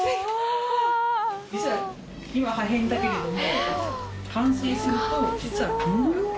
今破片だけれども。